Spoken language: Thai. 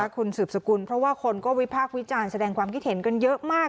คุณสืบสกุลเพราะว่าคนก็วิพากษ์วิจารณ์แสดงความคิดเห็นกันเยอะมาก